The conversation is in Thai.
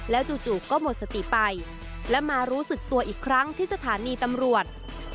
จู่ก็หมดสติไปและมารู้สึกตัวอีกครั้งที่สถานีตำรวจ